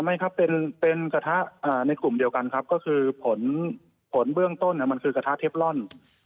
ไม่ครับเป็นกระทะในกลุ่มเดียวกันครับก็คือผลเบื้องต้นมันคือกระทะเทปลอน